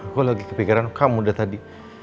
gue lagi kepikiran kamu udah tadi